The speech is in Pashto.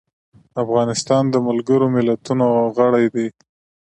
افغانستان د ملګرو ملتونو غړی دی.